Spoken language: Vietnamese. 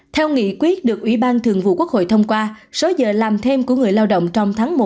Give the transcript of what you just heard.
theo nghị quyết được ủy ban thường vụ quốc hội thông qua số giờ làm thêm của người lao động trong tháng một